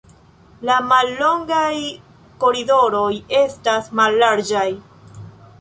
La mallongaj koridoroj estas mallarĝaj.